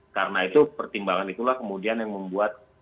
karena itu pertimbangan itulah kemudian yang membuat